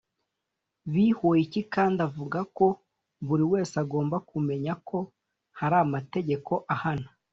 Bihoyiki kandi avuga ko buri wese agomba kumenya ko hari amategeko ahana